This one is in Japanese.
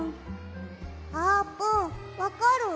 あーぷんわかる？